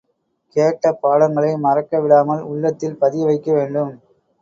கேட்ட பாடங்களை மறக்க விடாமல் உள்ளத்தில் பதியவைக்க வேண்டும்.